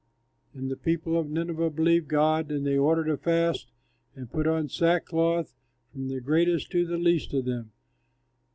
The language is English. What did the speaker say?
And the people of Nineveh believed God; and they ordered a fast and put on sackcloth, from the greatest to the least of them.